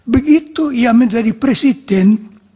begitu ia menjadi presiden